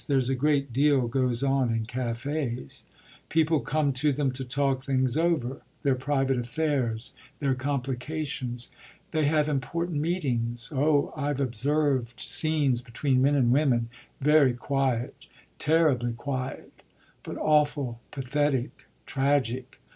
There's a great deal goes on in cafés: people come to them to talk things over, their private affairs, their complications; they have important meetings. Oh I've observed scenes between men and women very quiet, terribly quiet, but awful, pathetic, tragic!